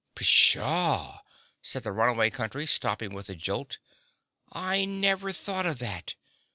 "Pshaw!" said the Runaway Country, stopping with a jolt, "I never thought of that.